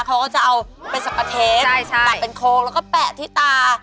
เขาก็จะเอาเป็นสับปะเทสตัดเป็นโครงแล้วก็แปะที่ตา